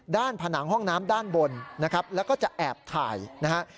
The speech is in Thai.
ผนังห้องน้ำด้านบนนะครับแล้วก็จะแอบถ่ายนะฮะ